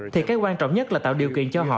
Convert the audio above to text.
thì cái quan trọng nhất là tạo điều kiện cho họ